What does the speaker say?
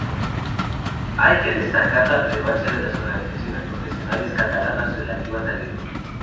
Hay que destacar la relevancia de las organizaciones profesionales catalanas relativas al libro.